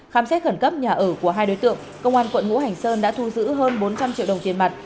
khám xét khẩn cấp nhà ở của hai đối tượng công an quận ngũ hành sơn đã thu giữ hơn bốn trăm linh triệu đồng tiền mặt